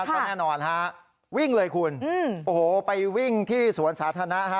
ก็แน่นอนฮะวิ่งเลยคุณโอ้โหไปวิ่งที่สวนสาธารณะฮะ